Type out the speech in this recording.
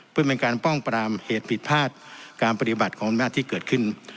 เพื่อเป็นการป้องปรามเหตุผิดพลาดการปฏิบัติของอำนาจที่เกิดขึ้น